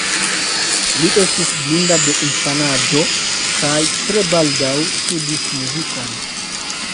Li estis blinda de infanaĝo, kaj tre baldaŭ studis muzikon.